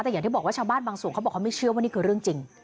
แต่อย่างที่บอกว่าชาวบ้านบางส่วนเขาบอกเขาไม่เชื่อว่านี่คือเรื่องจริง